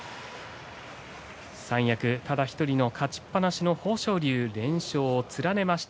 三役、ただ１人の勝ちっぱなしの豊昇龍、連勝を連ねました。